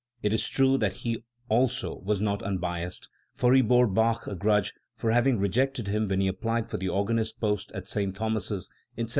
It is true that he also was not unbiassed, for he bore Bach a grudge for having rejected him when he applied for the organist's post at St. Thomas's in 1729.